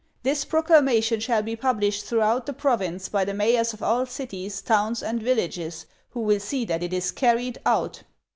This proclamation shall be published throughout the province by the mayors of all cities, towns, and villages, who will see that it is carried out."